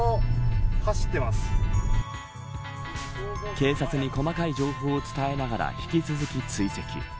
警察に細かい情報を伝えながら引き続き追跡。